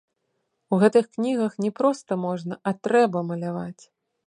У гэтых кнігах не проста можна, а трэба маляваць.